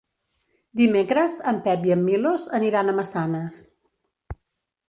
Dimecres en Pep i en Milos aniran a Massanes.